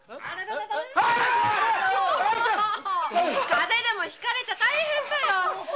カゼでもひかれちゃ大変だよ。